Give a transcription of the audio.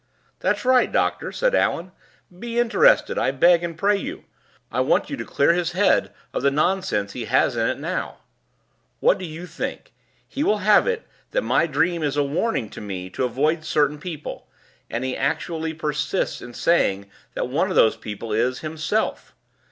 "That's right, doctor!" said Allan. "Be interested, I beg and pray; I want you to clear his head of the nonsense he has got in it now. What do you think? He will have it that my dream is a warning to me to avoid certain people; and he actually persists in saying that one of those people is himself!